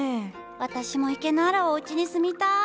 私も池のあるおうちに住みたい！